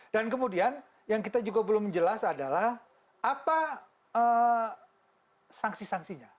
dan kemudian yang kita juga belum jelas adalah apa sanksi sanksinya